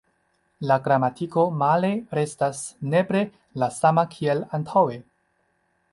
La gramatiko male restas nepre la sama kiel antaŭe".